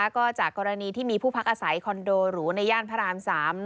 ก็จากกรณีที่มีผู้พักอาศัยคอนโดหรูในย่านพระราม๓